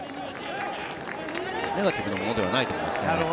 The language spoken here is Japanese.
ネガティブなものではないと思います。